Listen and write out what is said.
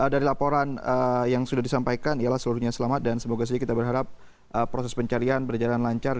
dari laporan yang sudah disampaikan ialah seluruhnya selamat dan semoga saja kita berharap proses pencarian berjalan lancar